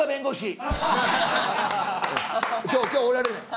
「今日おられない？